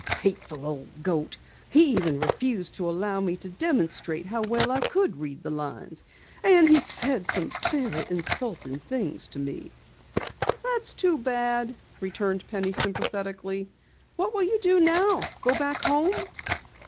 Hateful old goat! He even refused to allow me to demonstrate how well I could read the lines! And he said some very insulting things to me." "That is too bad," returned Penny sympathetically. "What will you do now? Go back home?"